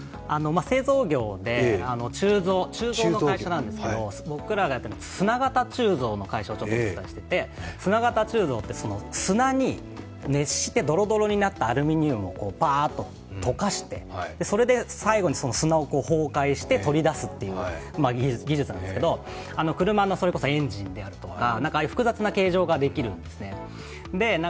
製造業で、鋳造の会社なんですけど僕らは砂型鋳造の会社をしていて砂型鋳造って、砂に熱してドロドロになったアルミニウムをバーッと溶かして最後に砂を崩壊して取り出すという、技術なんですけど車のエンジンであるとか、複雑な形状ができるんですね。